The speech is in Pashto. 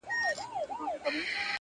هوښیار فکر راتلونکی اټکلوي.